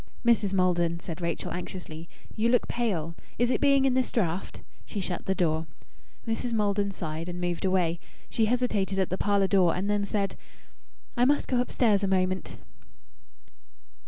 "Mrs. Maldon," said Rachel anxiously, "you look pale. Is it being in this draught?" She shut the door. Mrs. Maldon sighed and moved away. She hesitated at the parlour door and then said "I must go upstairs a moment."